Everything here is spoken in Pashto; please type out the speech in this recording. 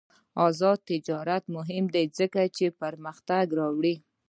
آزاد تجارت مهم دی ځکه چې پرمختګ راوړي.